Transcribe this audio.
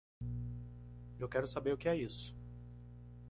Eu quero saber o que é isso.